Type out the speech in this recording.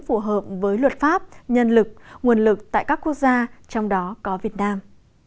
phù hợp với luật pháp nhân lực nguồn lực tại các quốc gia trong đó có việt nam